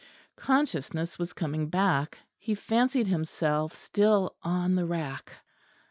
Consciousness was coming back. He fancied himself still on the rack.